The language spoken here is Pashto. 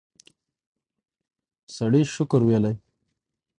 سړی شکر ویلی.